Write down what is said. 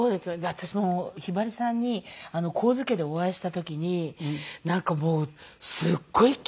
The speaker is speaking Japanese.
私もひばりさんに神津家でお会いした時になんかもうすっごい。